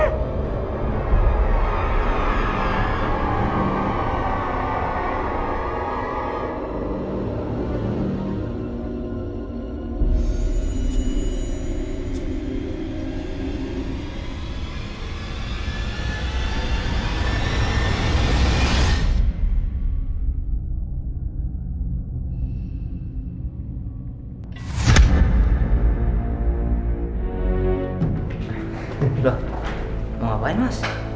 loh mau ngapain mas